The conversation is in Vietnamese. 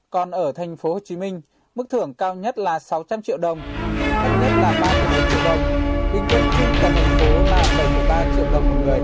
còn ở thành phố hồ chí minh mức thưởng cao nhất là sáu trăm linh triệu đồng thấp nhất là ba triệu đồng đi kết thúc cả thành phố ba ba trăm linh triệu đồng một người